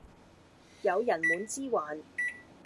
有人滿之患